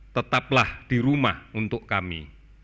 tetaplah di rumah untuk kami